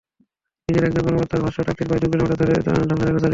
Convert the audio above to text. নিসের একজন কর্মকর্তার ভাষ্য, ট্রাকটি প্রায় দুই কিলোমিটার ধরে ধ্বংসযজ্ঞ চালিয়ে যায়।